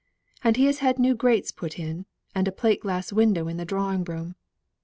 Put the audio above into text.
And he has had new grates put in, and a plate glass window in the drawing room.